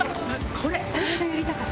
これがやりたかった。